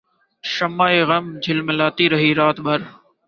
شمع غم جھلملاتی رہی رات بھر